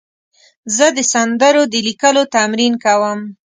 زه د سندرو د لیکلو تمرین کوم.